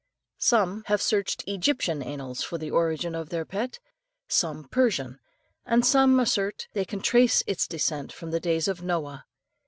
Some have searched Egyptian annals for the origin of their pet, some Persian, and some assert they can trace its descent from the days of Noah.